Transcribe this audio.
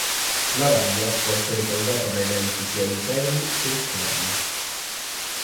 La rabbia può essere causata da eventi sia interni che esterni.